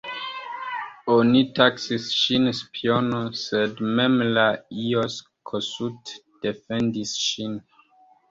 Oni taksis ŝin spiono, sed mem Lajos Kossuth defendis ŝin.